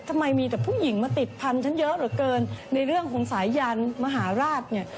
ทำไมมีแต่ผู้หญิงมาติดพันธุ์ฉันเยอะเหลือเกินในเรื่องของสายยานมหาราชเนี่ย